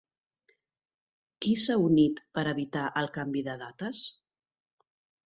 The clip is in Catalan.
Qui s'ha unit per evitar el canvi de dates?